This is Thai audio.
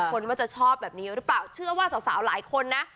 คนว่าจะชอบแบบนี้หรือเปล่าเชื่อว่าสาวหลายคนนะ